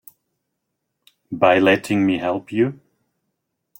By letting me help you.